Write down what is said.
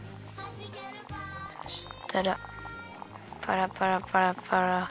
そしたらパラパラパラパラ。